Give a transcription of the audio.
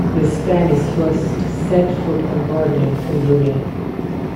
The Spanish first set foot on Borneo in Brunei.